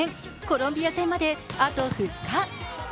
コロンビア戦まであと２日。